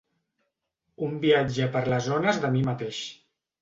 Un viatge per les ones de mi mateix.